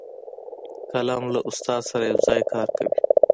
قلم له استاد سره یو ځای کار کوي